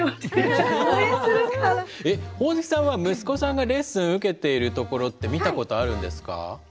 ホオズキさんは息子さんがレッスン受けているところって見たことあるんですか？